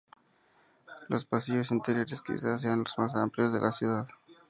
Los pasillos interiores quizá sean los más amplios de la ciudad.